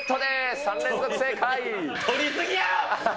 ３連続正解。